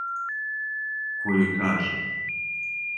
Ко јој каже.